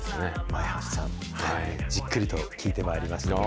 前橋さん、じっくりと聞いてまいります。